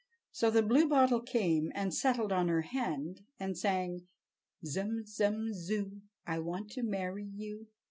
So the Bluebottle came and settled on her hand, and sang: "Zum, zum, zoo, I want to marry you!"